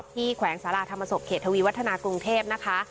แขวงสาราธรรมศกเขตทวีวัฒนากรุงเทพนะคะ